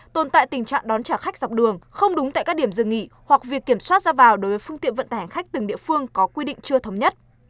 tồn tại tình trạng đón trả khách dọc đường không đúng tại các điểm dừng nghỉ hoặc việc kiểm soát ra vào đối với phương tiện vận tải hành khách từng địa phương có quy định chưa thống nhất